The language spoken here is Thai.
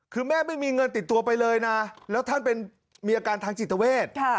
คือแม่ไม่มีเงินติดตัวไปเลยนะแล้วท่านเป็นมีอาการทางจิตเวท